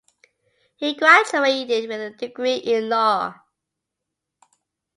He graduated with a degree in law.